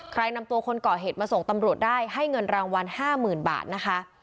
ใครนำตัวคนก่อเหตุมาส่งตำรวจได้ให้เงินรางวัล๕๐๐๐บาทนะคะ